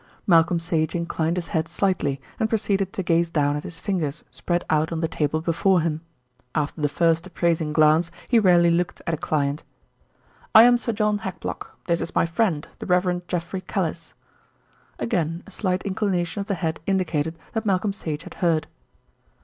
Malcolm Sage inclined his head slightly, and proceeded to gaze down at his fingers spread out on the table before him. After the first appraising glance he rarely looked at a client. "I am Sir John Hackblock; this is my friend, the Rev. Geoffrey Callice." Again a slight inclination of the head indicated that Malcolm Sage had heard.